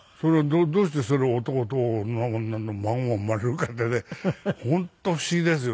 どうしてそれ男男女女の孫が生まれるかってね本当不思議ですよね。